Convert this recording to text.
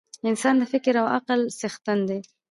انسان د فکر او عقل څښتن دی.